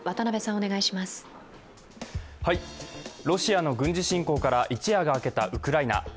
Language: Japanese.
ロシアの軍事侵攻から一夜が明けたウクライナ。